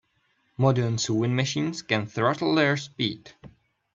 Modern sewing machines can throttle their speed.